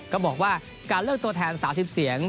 ก็บอกว่าการเลือกตัวแทน๓๐เสียง